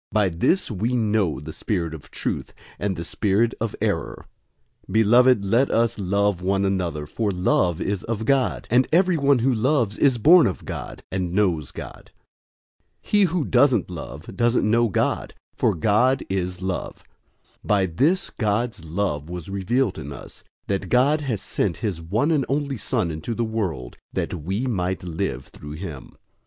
By this we know the spirit of truth, and the spirit of error. 004:007 Beloved, let us love one another, for love is of God; and everyone who loves is born of God, and knows God. 004:008 He who doesn't love doesn't know God, for God is love. 004:009 By this God's love was revealed in us, that God has sent his one and only Son into the world that we might live through him.